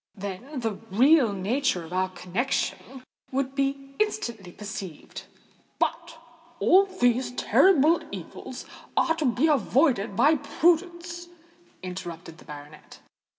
Then, the real nature of our connexion would be instantly perceived——" "But all these terrible evils are to be avoided by prudence," interrupted the baronet.